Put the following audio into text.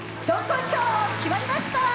決まりました！